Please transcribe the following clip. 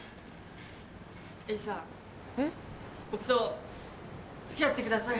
えっとさ僕と付き合ってください。